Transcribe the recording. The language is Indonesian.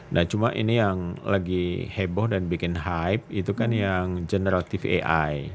nah cuma ini yang lagi heboh dan bikin hype itu kan yang general tvi